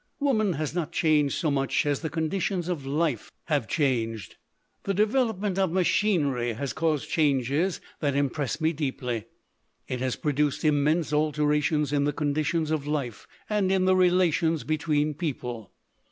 "Woman has not changed so much as the conditions of life have changed. "The development of machinery has caused changes that impress me deeply. It has pro duced immense alterations in the conditions of life and in the relations between people.